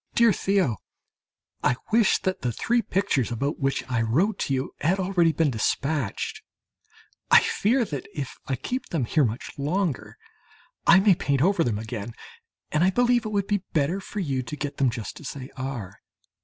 DEAR THEO, I wish that the three pictures, about which I wrote to you, had already been despatched. I fear that if I keep them here much longer, I may paint them over again, and I believe it would be better for you to get them just as they are.